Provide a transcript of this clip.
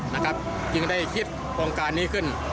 นะครับจึงได้คิดโครงการนี้ขึ้น